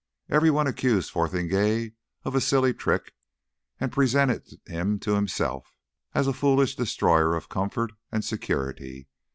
Everyone accused Fotheringay of a silly trick, and presented him to himself as a foolish destroyer of comfort and security.